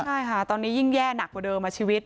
ใช่ค่ะตอนนี้ยิ่งแย่หนักกว่าเดิมชีวิต